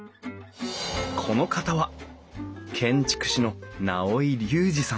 この方は建築士の直井隆次さん